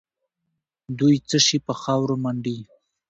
دوی څه شي په خاورو منډي؟